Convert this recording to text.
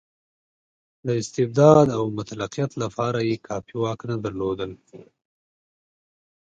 د استبداد او مطلقیت لپاره یې کافي واک نه درلود.